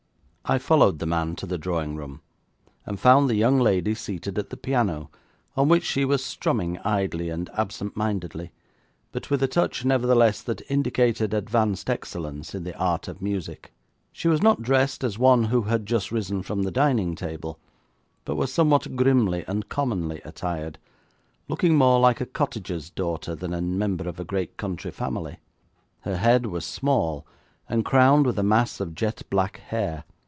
I followed the man to the drawing room, and found the young lady seated at the piano, on which she was strumming idly and absentmindedly, but with a touch, nevertheless, that indicated advanced excellence in the art of music. She was not dressed as one who had just risen from the dining table, but was somewhat grimly and commonly attired, looking more like a cottager's daughter than a member of the great country family. Her head was small, and crowned with a mass of jet black hair.